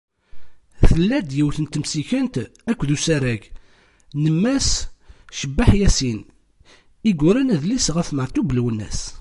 Tella-d yiwet n temsikent akked usarag n Mass Cebbaḥ Yasin i yuran adlis ɣef Meεtub Lwennas.